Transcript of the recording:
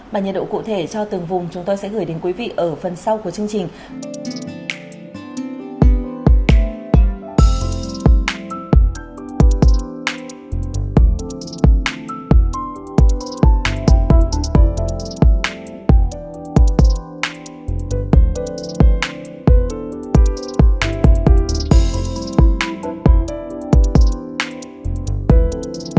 bản nhiệt độ cụ thể cho từng vùng chúng tôi sẽ gửi đến quý vị ở phần sau của chương trình